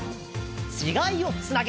「違いをつなげ！！